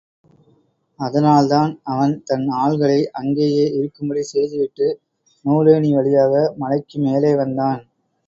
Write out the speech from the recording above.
அதனால் தான் அவன் தன் ஆள்களை அங்கேயே இருக்கும்படி செய்துவிட்டு, நூலேணி வழியாக மலைக்கு மேலே வந்தான்.